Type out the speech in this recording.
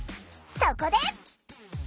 そこで！